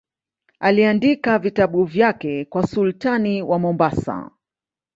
Aliandika vitabu vyake kwa sultani wa Mombasa.